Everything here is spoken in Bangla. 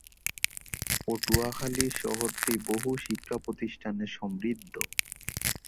পটুয়াখালী শহরটি বহু শিক্ষাপ্রতিষ্ঠানে সমৃদ্ধ।